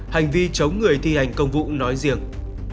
hành vi chống người thi hành công vụ nói riêng